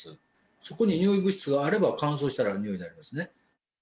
そこに臭い物質があれば、乾燥したら臭いになりますね。